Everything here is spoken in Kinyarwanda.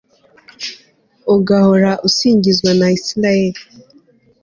ugahora usingizwa na israheli